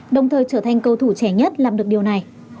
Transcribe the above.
đồng thời trở thành cầu thủ trẻ nhất làm được điều này